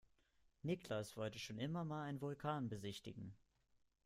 Niklas wollte schon immer mal einen Vulkan besichtigen.